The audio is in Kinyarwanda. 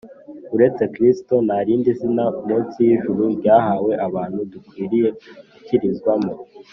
. Uretse Kristo, “nta rindi zina munsi y’ijuru ryahawe abantu, dukwiriye gukirizwamo